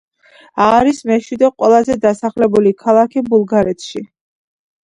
არის მეშვიდე ყველაზე დასახლებული ქალაქი ბულგარეთში.